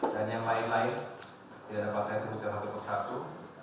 dan yang lain lain tidak dapat saya sebutkan satu persatu